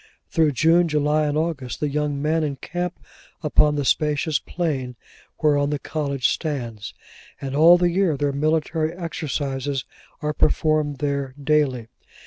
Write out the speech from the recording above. Through June, July, and August, the young men encamp upon the spacious plain whereon the college stands; and all the year their military exercises are performed there, daily.